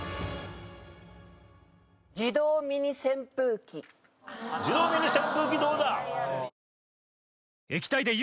自動ミニ扇風機どうだ？